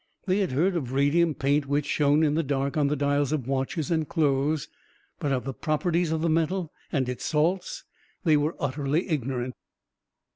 They had heard of radium paint which shone in the dark on the dials of watches and clothes, but of the properties of the metal and its salts they were utterly ignorant.